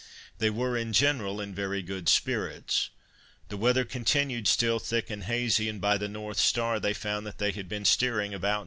They were, in general, in very good spirits. The weather continued still thick and hazy, and by the North star, they found that they had been steering about N.